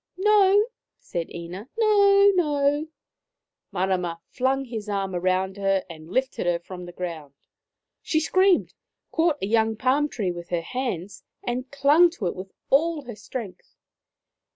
" No," said Ina, " no, no !" Marama flung his arm round her and lifted her from the ground. She screamed, caught a young palm tree with her hands, and clung to it with all her strength.